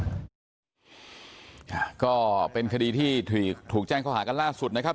ก็เป็นคดีที่ถูกแจ้งข้อหากันล่าสุดนะครับ